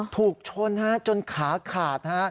ถูกชนจนขาขาด